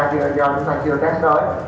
chưa là do chúng ta chưa test tới